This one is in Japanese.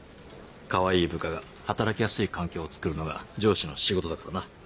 かわいい部下が働きやすい環境をつくるのが上司の仕事だからな。